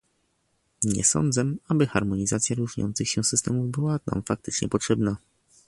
Nie sądzę, aby harmonizacja różniących się systemów była nam faktycznie potrzebna